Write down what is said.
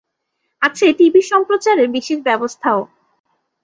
আছে টিভি সম্প্রচারের বিশেষ ব্যবস্থাও।